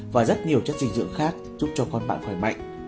và rất nhiều chất dinh dưỡng khác giúp cho con bạn khỏe mạnh